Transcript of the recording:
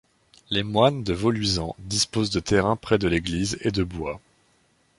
Les moines de Vauluisant disposent de terrains près de l'église, et de bois.